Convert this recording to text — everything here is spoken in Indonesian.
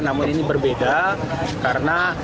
namun ini berbeda karena